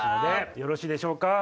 よろしいでしょうか？